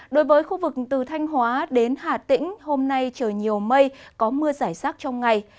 đối với khu vực từ thanh hóa đến hà tĩnh hôm nay trời nhiều mây có mưa giải rác trong ngày